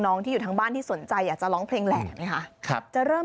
น้องที่อยู่ทางบ้านที่สนใจจะร้องเพลงแหละมั้ยคะครับจะเริ่ม